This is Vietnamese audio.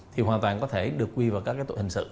thì hoàn toàn có thể được quy vào các tội hình sự